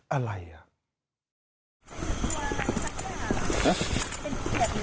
อะไรอ่ะ